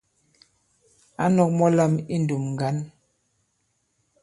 Ǎ nɔ̄k mɔ̄ lām I ǹndùm ŋgǎn.